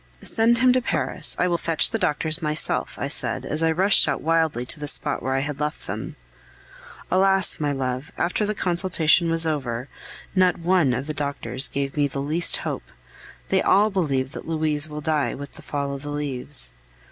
"Send him to Paris; I will fetch the doctors myself," I said, as I rushed out wildly to the spot where I had left them. Alas! my love, after the consultation was over, not one of the doctors gave me the least hope; they all believe that Louise will die with the fall of the leaves.